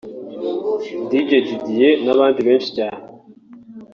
Dj Didier n’abandi benshi cyane